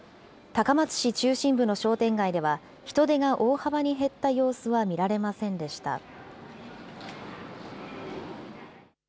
高松市中心部の商店街では、人出が大幅に減った様子は見られませんでした。